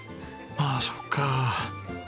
ああそっか。